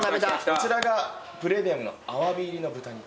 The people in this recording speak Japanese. こちらがプレミアムのアワビ入りの豚肉。